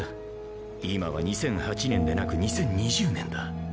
今は２００８年でなく２０２０年だ。